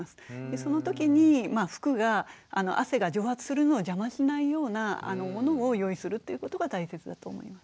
その時に服が汗が蒸発するのを邪魔しないようなものを用意するということが大切だと思います。